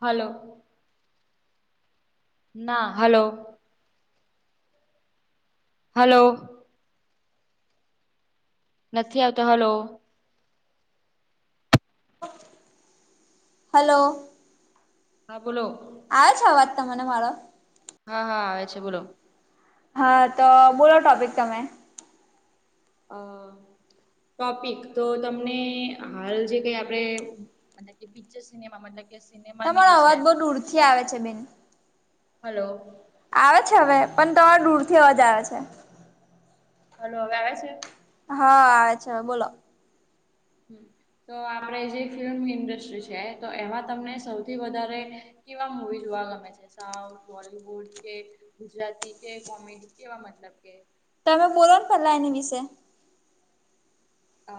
Hello. ના hello. Hello. નથી આવતો હલો. હલો. હા બોલો. આવે છે આવાજ તમને મારો. હા હા આવે છે બોલો. હા તો બોલો ટોપિક તમે. અ ટોપિક તો તમને હાલ જે કઈ આપણેે પિક્ચર સિનેમા મતલબ કે સિનેમાની તમારો એ છે અવાજ બહુ તો દૂરથી આવે છે બેન. હલો. આવે છે હવે પણ તમારા દૂરથી અવાજ આવે છે. હલો હવે આવે છે. હા આવે છે બોલો. તો આપડે જે ફિલ્મ ઇન્ડસ્ટ્રી છે તો એમાં તમને સૌથી વધારે કેવા મુવી જોવા ગમે છે સાઉથ બોલીવુડ કે ગુજરાતી કે કોમેડી કેવા મતલબ કે તમે બોલોની પેલા એની વિશે. અ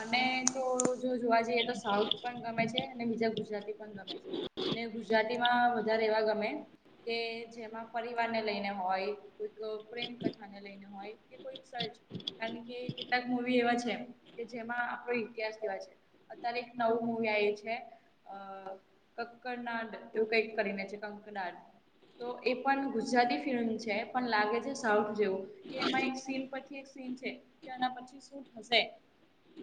મને તો જો જોવા જઈએ તો સાઉથ પણ ગમે છે. ને બીજા ગુજરાતી પણ ગમે છે અને ગુજરાતીમાં વધારે એવા ગમે કે જેમાં પરિવાર ને લઈને હોય કોઈ પ્રેમ કથા ને લઈને હોય. કે કોઈ સર્જ એ કે કેટલાક મુવી એવા છે કે જેમાં આપણો ઇતિહાસ કેવાય છે અત્યારે એક નવું મુવી આયવુ છે. અ કક્કનાડ તેવું કઈક કરીને છે કંકનાડ. તો એ પણ ગુજરાતી ફિલ્મ છે પણ લાગે છે સાઉથ જેવું. કે એમાં એક સીન પછી એક સીન છે કે એના પછી શું થશે.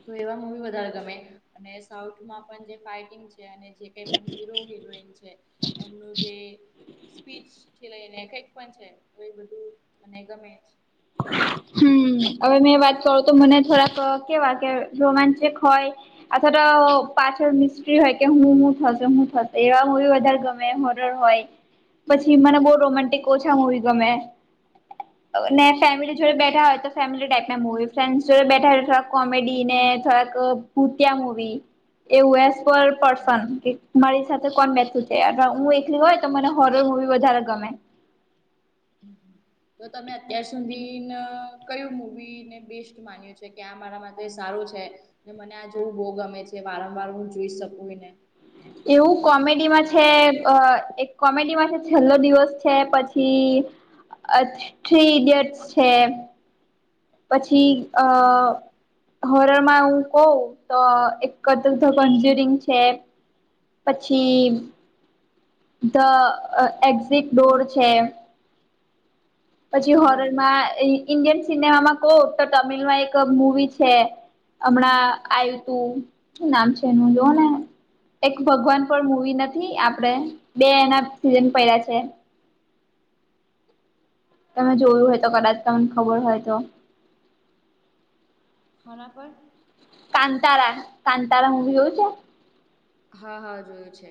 તો એવા મુવી વધારે ગમે. અને સાઉથમાં પણ જે ફાઈટિંગ છે અને જે કઈ પણ હીરો હિરોઈન છે. એમનું જે સ્પીચ થી લઈને કઇક પણ છે તો એ બધું મને ગમે. હમ હવે મેં વાત કરું તો મને થોડાક કેવા કે રોમાંચક હોય. અથવા તો પાછળ મિસ્ત્રી હોય કે હું હું થશે હું થશે એવા મુવી વધારે ગમે. હોય, પછી મને બોવ રોમાન્ટિક ઓછા મુવી ગમે. ફેમિલી જોડે બેઠા હોય તો ફેમિલી ટાઈપ ના મુવી ફ્રેન્સ જોડે બેઠા હોય તો થોડાક કોમેડી ને થોડાક કુતિયા મવી, એ વસ પર મારી સાથે કોણ બેઠું છે હું એકલી હોય તો મને હોરર મુવી વધારે ગમે. હમ હમ. તો તમે અત્યાર સુધી કયું મૂવી ને બેસ્ટ માન્યું છે કે આ મારા માટે સારું છે. ને મને આ જોવું બહુ ગમે છે વારંવાર હું જોઈ શકું ને. એવું કોમેડીમાં છે એક કોમેડીમાં છે છેલ્લો દિવસ છે પછી. થ્રી ઇડિયટ્સ છે. પછી અ હરળમાં હું કઉ તો એક કુિંગ છે. પછી ધ એક્ઝિટ ડોર છે. પછી હોરર બરાબર માં ઇન્ડિયન સિનેમામાં કોો તો તમિલ માં એક મુવી છે. હમણાં આવ તું શ નામ છે એનું જોવ ને. એક ભગવાન પણ મુવી નથી આપડે બે એના સીઝન પ્યા છે. તમે જોયું હોય તો કદાચ તમને ખબર હો ય તો. ખના પર. કાંતારા, કાંતારા મવી એવું છે? હા હા જોયું છે.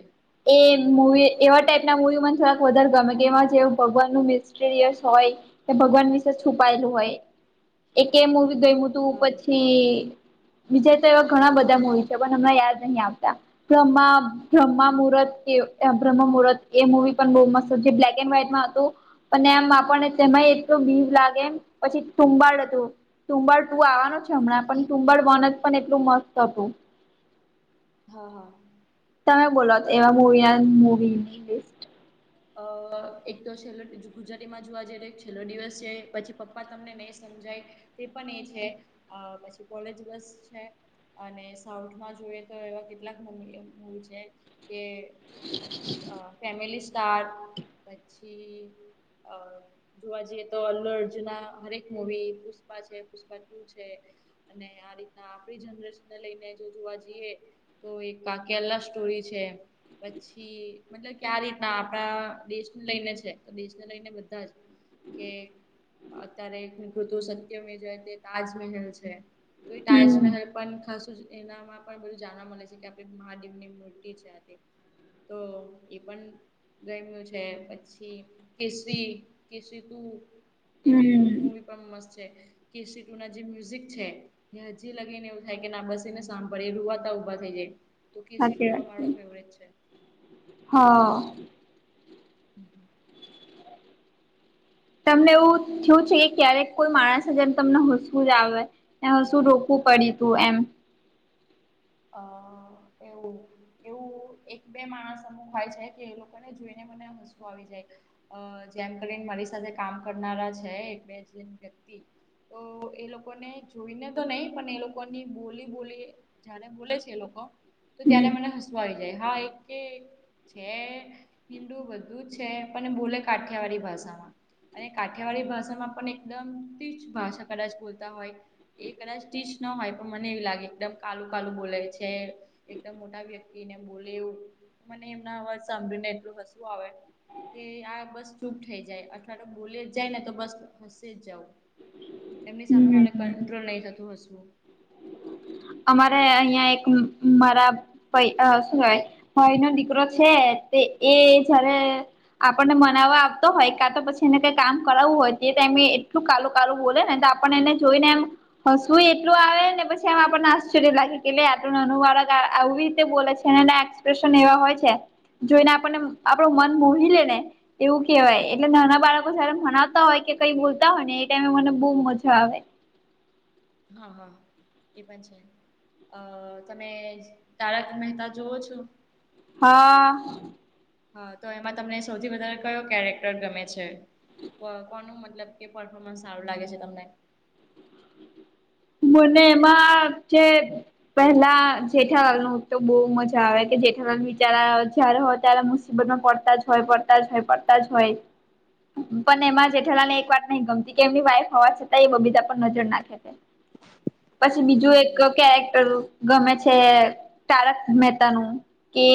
એ મુવી એવા ટાઈપ ના મૂવી મને થોડાક વધારે ગમે કે એમાં જે ભગવાનનું મિસ્ટરયસ હોય. તે ભગવાન વિશે છુપાયેલું હોય, એક મોવી ગય તું હા હા પછી વિજય તો એવા ઘણા બધા મુવી છે પણ હમણા યાદ નહ આવતા, બ્ર્ બ્રહ્મા હમ મુહૂર્ત બ્રહ્મ મુહર્ત એ મુવી પણ બ મસ્ત જે બ્લેક એન્ડ વ્હાઈટમાં હતું. અને એમ આપણને તેમાં એટલું બીજ લાગે પછી થુંબાડ હતું. ટુંબર ટુ આવાનું છે હમણાં પણ ટુંબર વન જ પણ એટલું મસ્ત હતું. હા હા. તમે બોલો એવા મવી મવી. અ એક તો છેલ્લો ગુજરાતીમાં જોવા જઈ તો છેલ્લો દિવસ છે પછી પપ્પા તમને નહીં સમજાય. તે પણ એ છે, પછી કોલેજ બસ છે. અને સાઉથમાં જોઈએ તો એવા કેટલાક મવી મૂવી છે, કે અ ફેમિલી સ્ટાર પછી અ જોવા જઈએ તો અલ્લ અર્ચના હરેક મુવી પુષ્પા છે પુષ્પા ટુ છે. અને આ રીતના આપડી જનરેશન ને લઈને જો જોવા જઈએ. તો એક કા કેલા સ્ટોરી છે, પછી મતલબ ક રીતે ના આપણા દેશને લઈને છે તો દેશને લઈને બધા જ કે અત્યારે કૃત સત્ય મેવ જયતે તાજમહેલ છે તો એ હમ તાજમહેલ. પણ ખાસું એનામાં પણ બધું જાણવા મળે છે કે આપડે મહાદેવ ની મૂર્તિ છે આ તે તો એ પણ ગમ્યું છે પછી કેસરી કેસરી તું એ બી હમ મુવી એકદમ મસ્ત છે કેસરી ટુ ના જે મ્યુઝિક છે કે હજી લગી ને એવું થાય કે ના બસી ને સાંભળે એ રુવાતા ઊભા થઈ જાય. તું કેસ સાચી ટૂંકા વાત છે મારું ફેવરેટ છે. હા. હમમ હમમ. તમને એવું થીયું છે કે ક્યારેક કોઈ માણસ ની જેમ તમને હસવું જ આવે. એમાં શું રોકવું પડ્યું તું એમ. અ એવું એવું. હું એક બે માણસ અમુક હોય છે કે એ લોકોને જોઈને મને હસું આવી જાય. અ જેમ કરીને મારી સાથે કામ કરનારા છે એક બે જન વ્યક્તિ. તો એ લોકોને જોઈને તો નય પણ એ લોકોની બોલી બોલી જાણે બોલે છે એ લોકો તો ત્યારે હમ મને હસુ આવી જાય હા એક કે છે હિન્દુ બધું છે પણ બોલે કાઠિયાવાડી ભાષામાં અને કાઠિયાવાડી ભાષામાં પણ એકદમી તીછ ભાષા કદાચ બોલતા હોય. એ કદાચ સ્ટીચ ન હોય પણ મને એવી લાગે એકદમ કાલું કાલું બોલે છે એકદમ મોટા વ્યક્તિ ને બોલે એવું મને એમના અવાજ સાંભળી ને એટલું હસુ આવે કે આ બસ ચૂપ થઈ જાય અથવા તો બોલે જ જાય ને તો બસ હસી જ જવ. [inaudible] એમની સામે મારે હમ કંટ્રોલ નય થતું હસવુ. અમારે અહિયાં એક મારા પય ભાઈ નો દીકરો છે તે એ જયારે આપણને મનાવવા આવતો હોય કા તો પછી એને કઈ કામ કરાવું હોય તે ટાઈમે એટલું કાલુ કાલુ બોલે ને આપડે એને જોઈને એમ હસુ યે એટલું આવે ને પછી આમ આપણ ને આશ્ચર્ય લાગે કે આટલું નાનું બાળક આવી રીતે બોલે છે ને એના એક્સપ્રેશન એવા હોય છે. જોઈને આપણને આપણું મન બૂહિ લેય ને એવું કેહવાય એટલે નાના બાળકો જયારે મનાવતા હોય કે કઈ બોલતા હોય ને એ ટાઈમે મને બો મજા આવે. હા હા એ પણ છે. અ તમે તારક મહેતા જોવો છો? હા. હા તો એમાં તમને સૌથી વધારે કયો કેરેક્ટર ગમે છે? પ કોનું મતલબ કે પરર્ફોર્મન્સ સારું લાગે છે તમને? મને એમાં જે પહેલા જેઠાલાલ નું તો બો મજા આવે કે જેઠાલાલ બિચારા જયારે હોય ત્યારે મુસીબત માં પડતા જ હોય પડતા જ હોય પડતા જ હોય. પણ એમાં જેઠેલાલ ની એક વાત નહી ગમતી કે એમની વાઈફ હોવા છતાં એ બબીતા પર નજર નાખે છે. પછી બીજું હમ એક હમ કેરેક્ટર ગમે છે તારક મહેતા નું કે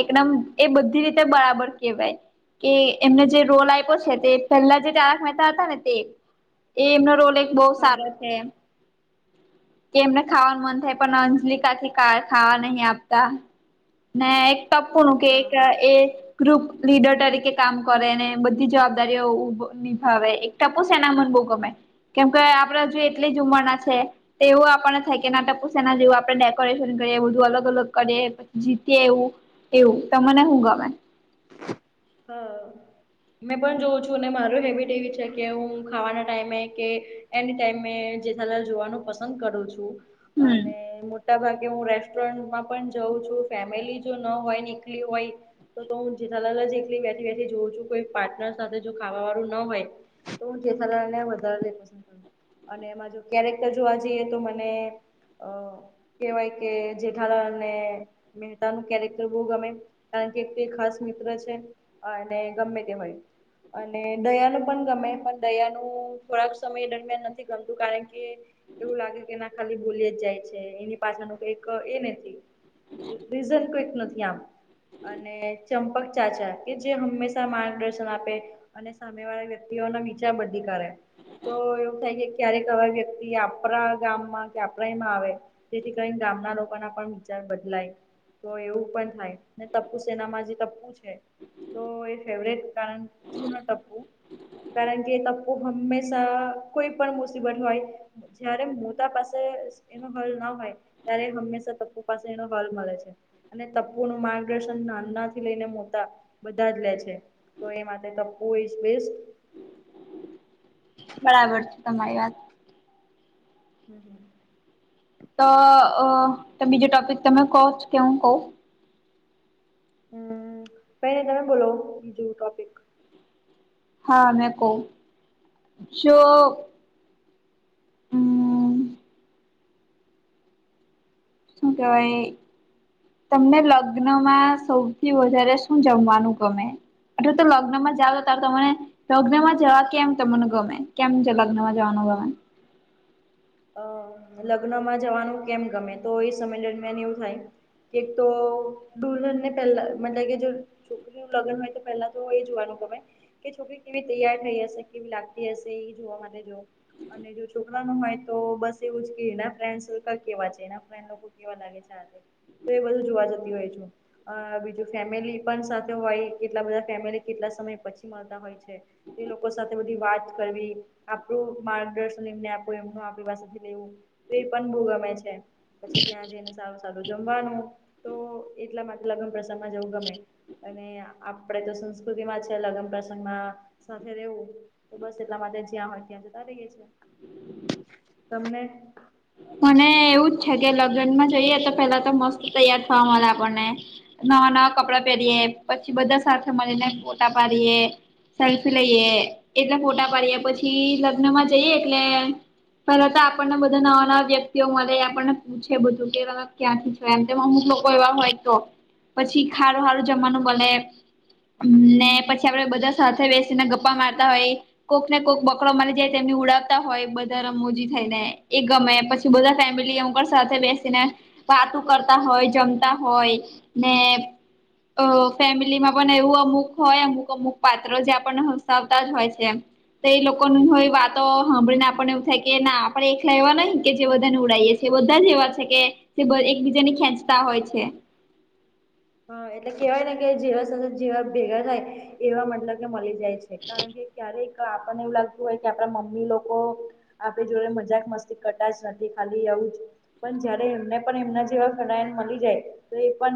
એકદમ એ બધી રીતે બરાબર કેહવાય. કે એમને જે રોલ આપ્યો છે તે પહેલા જે તારક મહેતા હતા ને તે એ એમનો રોલ એક બો બરાબર. હા સારો છે. કે એમને ખાવાનું મન થાય પણ અંજલિકાથી ખાવા નહી આપતા, ને ટપુનું કેક હા. એ- ગ્રુપ લીડર તરીકે કામ કરેને બધી જવાબદારીઓભ નિભાવે. ટપુ છે એના મન બુ ગમે, કેમ કે આપડે જોઈએ એટલી જ ઉંમરના છે. તેવું આપણને થકી ના પૂછ ના જેવું આપડણે ડેકોરેશન કરીએ બધું અલગ અલગ કરીએ. જીતી એવું એવું ત મને શું ગમે? હા. મેં પણ જોઉં છું અનેને મારું હેબિટ એવી છે કે હું ખાવાના ટાઈમે કે. એની ટ જોવાનું પસંદ કરું છું, હમ અને મોટા ભાગે હું રેસ્ટોરન્ટમાં પણ જાઉં છું ફેમિલી જો ન હોય નીકળ હોય. તો હું જેઠાલાલ જ એકલી બેઠી બેઠી જોઉં છું કોઈ પાર્ટનર સાથે જો ખાવા વાળું ન હોય. તો હું જેથને વધારેેંદ કર. અને એમાં જો કેરેક્ટર જોવા જઈએ તો મને અ કહેવાય કે જેઠારને મહેતા નું કેરેક્ટર બહુ ગમે. કારણ ખાસ મિત્ર છે, ગમે તે હોય. અને દયાનું પણ ગમે પણ દયાનું થોડાક સમય દરમિયાન નથી ગમતું કારણ કે એવું લાગે કે ના ખાલી ભોલી જ જાય છે એની પાછા ન કઈક એ નથી. રિઝલ ક્વક નથી આમ. અને ચંપક ચાચા કે જે હંમેશા માર્ગદર્શન આપે. અને સામે વાળા વ્યક્તિઓ ના વિચાર બધી કરે. તો એવું થાય કે ક્યારેક હવે વ્યક્તિ આપણા ગામમાં કે આપણા એમાં આવે. તેથી કરીને ગામના લોકો ના પણ વિચાર બદલાય, તો એવું પણ થાય. ને તપ્પુ સેનામાં જે તપ્પુ છે, તો એ ફેવરેટ કારણ જુના ટપું, કારણ કે ટપ હંમેશા કોઈ પણ મુસીબત હોય. જયારે મોતાા પાસે એનો હલ ના હોય. ત્યારે હંમેશા તપુ પાસે એનો હલ મળે છે, અને તપુ નું માંગ નાનાથી લઈને મોટા બધા જ લે છે, તો એ માટેપ્પ ઈ બેસ્ટ બરાબર છે તમારી વાત. હમ હમ. તો બીજો ટોપિક તમે કહ કેવું કહ? હમ, પ તમે બોલો બીજું ટોપિક હા મેં કહું જો હમ. અમભાઈ. તમને લગ્નમાં સૌથી વધારે શું જમવાનું ગમે? એટ તો લગ્નમાં જાવ ત તમેને. લગ્ન માં જવા કેમ તમને ગમે કેમ લગ્નમાં જવાનું ગમે? અ લગ્નમાં જવાનું કેમ ગમે તો એ સમય દરમિયાન એવું થાય. એક તો દુહનને પહેલા મતલે કે જે છોકરી નું લગન હોય તો પેલા તો એ જોવાનું ગમે. કે છોકરી કેવી તૈયાર થઈ હશે કેવી લાગતી હશે એ જોવા માટે જો. અને જો છોકરા ન માહ. તો બસ એવું જ કેના ફન્ કેવા છે ફ લોકો કેવા લાગે છે આ. તો એ બધું જોવા જતી હોય છે. અ બીજું ફેમિલી પણ સાથે હોય કેટલા બધા ફેમિલી કેટલા સમય પછી મળતા હોય છે. એ લોકો સાથે બધી વાત કરવી આપણું માર્ગદર્શન એમને આપો એમમા. કંઈ [unintelligible] લેવું તો એ પણ બહુ ગમે છે. પછી ત્યાં જઈને સારું સારું જમવાનું તો એટલા માટે લગ્ન પ્રસંગ માં જવું ગમે. અને આપણેે તો સંસ્કૃતિ માં છે લગ્ન પ્રસંગમાં સાથે રેવું તો બસ એટલા માટે જ્યાં હોય ત્યાં જતા રઇયે છીએ. તમને મને એવું જ છે કે લગનમાં જઈએ તો પેલા તો મસ્ત તૈયાર થવા મળે આપણને. નવા નવા કપડાં પેરીએ પછી બધા સાથે મલીને ફોટા પાડીએ. સેલ્ફી લઈએ એટલા ફોટા પાડીએ પછી લગ્ન માં જઈએ એટલે પર તો આપણને બધા નવા નવા વ્યક્તિઓ મલે આપણને પૂછે બધું કેલાલા ક્યાંથી છો એમ તેમાં અમુક લોકો એવા હોય તો. પછી ખારું હારું જમવાનું બને. ને પછી આપડે બધા સાથે બેસીને ગપ્પા મારતા હોય. કોક ને કોક બકરો મલી જાય તો એમની ઉડાવતા હોય બધા રમૂજી થઈ ને એ ગમે પછ બધા ફેમિલી અમુકવાર સાથે બેસીને વાતું કરતા હોય જમતા હોય ને અ ફેમિલીમાં પન એવું અમુક હોય અમુક અમુક પાત્ર જે આપણને હસાવતા જ હોય છે એમ. તો એ લોકોની હોય વાતો હાંભળીને આપણને એવું થાય કે ના આપડે એકલા એવા નહી. કે જે બધાને ઉડાઈએ છે બધા જ એવા છે કે કેભ એકબીજાને ખેંચતા હોય છે. હા એટલે કેહેવાય ને કે જેવા સાથે જેવા ભેગા થાય એવા મતલબ કે મલી જાય છે કારણ કે ક્યારેક આપણને એવું લાગતું હોય કે આપડા મમ્મી લોકો આપડી જોડે મજાક મસ્તી કરટા જ નથી ખાલી આવું છ. પન જયારે એમને પણ એમના જેવા ફલાયન મલી જાય તો એ પન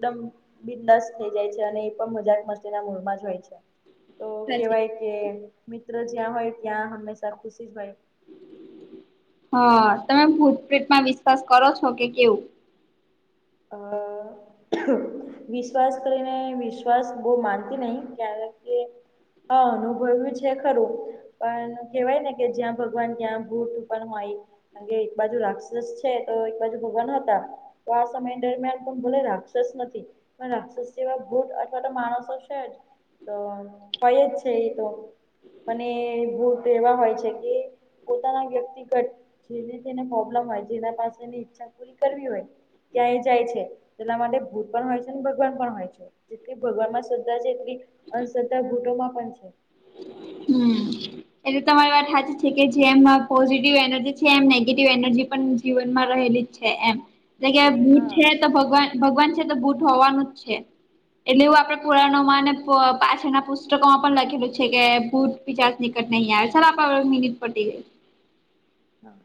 દમ બિદાસ થઈ જાય છે અને એ પન મજાક મસ્તીના મૂળમાં જ હોય છે. તો કેવાય કે મિત્ર જ્યાં હોય ત્યાં હંમેશા ખુશી જ હોય. હ તમે ભૂતપ્રેત માં વિશ્વાસ કરો છો કે કેવું. અ વિશ્વાસ કરીને વિશ્વાસ બઉ માનતી નઇ ક્યારક કે હા અનુભયવું છે ખરું. પણ કેવાય ને કે જ્યાં ભગવાન ત્યાં ભૂટ પણ હોય. કાન કે એક બાજુ રાક્ષસ છે તો એક બાજુ ભગવાન હતા. તો આ સમય ડરમિયાન પણ ભલે રાક્ષસ નથી પણ રાક્ષસ જેવા ભૂટ અથવા તો માણસો છે જ. તો હોય જ છે એ તો. પન એ ભૂત એવા હોય છે કે પોતાના વ્યક્તિગત જેને તેને પ્રોબ્લેમ હોય જેના પાસેની ઈચ્છા પૂરી કરવી ઓય ત્યાં એ જાય છે એના માટે ભૂત પણ હોય છે ને ભગવાન પણ હોય છે. જેટલી ભગવાન માં શ્રદ્ધા છે એટલી અંધશ્ર્ધા ભૂટોમાં પણ છે. હમ. એટલે તમારી વાત હાચી છે કે જેમા પોઝિટિવ એનર્જી છે એમ નેગેટિવ એનર્જી પન જીવનમાં રહેલી જ છે એમ એટલે કે છે ભૂત હા છે તો ભ ભગવાન ભગવાન છે તો ભૂટ હોવાનું જ છે. એટલે એવું આપડે પુરાણોમાં ને પ પાછળ ના પુસ્તકોમાં પણ લખેલું છે કે ભુટ પિચાચ નીકટ નહિ આવે ચલો આપ અવે મિનીટ પતિ ગઇ. હા.